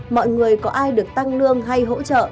mọi người có ai được tăng lương hay hỗ trợ